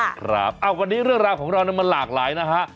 ครับวันนี้เรื่องราวของเรามันหลากหลายนะฮะ